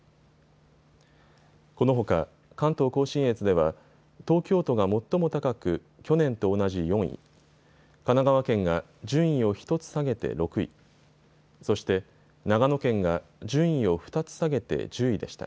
このほか関東甲信越では東京都が最も高く去年と同じ４位、神奈川県が順位を１つ下げて６位、そして、長野県が順位を２つ下げて１０位でした。